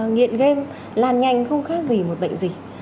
nghiện game lan nhanh không khác gì một bệnh gì